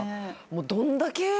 どんだけ。